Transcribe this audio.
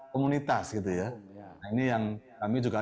komunitas gitu ya nah ini yang kami juga